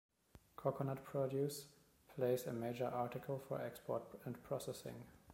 Coconut produce plays a major article for export and processing.